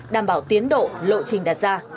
đảm bảo tiến độ lộ trình đặt ra